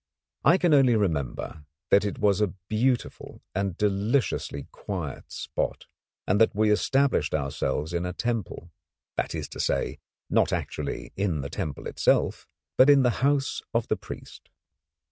I can only remember that it was a beautiful and deliciously quiet spot, and that we established ourselves in a temple; that is to say not actually in the temple itself, but in the house of the priest.